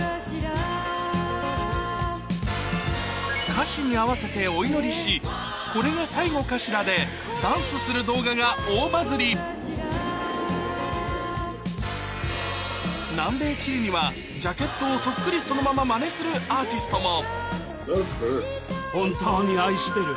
歌詞に合わせてお祈りし「これが最後かしら」でダンスする動画が大バズり南米チリにはジャケットをそっくりそのままマネするアーティストも